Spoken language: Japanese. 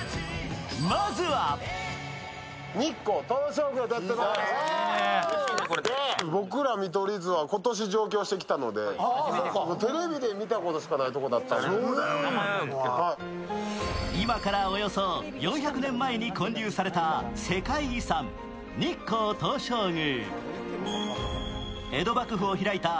まずは今からおよそ４００年前に建立された世界遺産・日光東照宮。